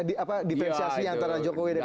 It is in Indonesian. di pensiasi antara jokowi dan prabowo